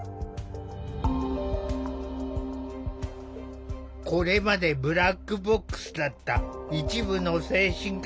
これまでブラックボックスだった一部の精神科病院の実態。